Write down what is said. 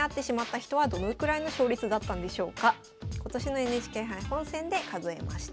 今年のＮＨＫ杯本戦で数えました。